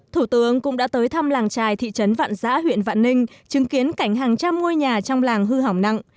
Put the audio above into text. thủ tướng cũng đã tới thăm làng trài thị trấn vạn giã huyện vạn ninh chứng kiến cảnh hàng trăm ngôi nhà trong làng hư hỏng nặng